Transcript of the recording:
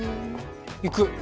行く！